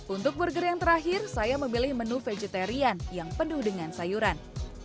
untuk burger yang terakhir saya memilih menu vegetarian yang penuh dengan sayuran